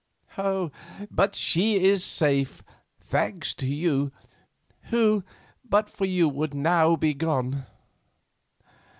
But she is safe, thanks to you, who but for you would now be gone.